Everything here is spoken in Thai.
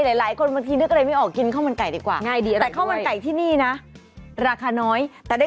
อ่ะให้ดูให้ถ่ายเลยจ้าแล้วกี่บาท